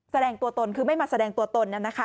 แสดงตัวตนคือไม่มาแสดงตัวตน